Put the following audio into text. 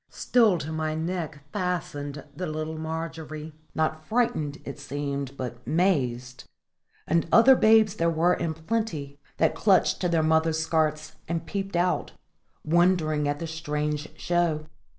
Still to my neck fastened the little Margery not frighted, it seemed, but mazed and other babes there were in plenty, that clung to their mothers' skirts and peeped out, wondering at the strange show.